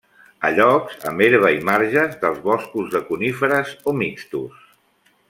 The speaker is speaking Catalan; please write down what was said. A llocs amb herba i marges dels boscos de coníferes o mixtos.